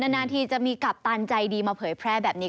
นาทีจะมีกัปตันใจดีมาเผยแพร่แบบนี้